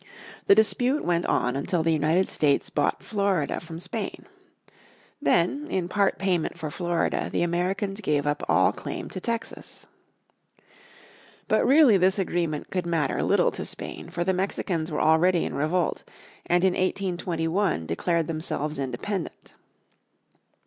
The dispute went on until the United States bought Florida from Spain. Then in part payment for Florida the Americans gave up all claim to Texas. But really this agreement could matter little to Spain, for the Mexicans were already in revolt, and in 1821 declared themselves independent.